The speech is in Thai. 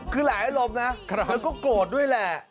คือหลายอารมณ์นะมันก็โกรธด้วยแหละ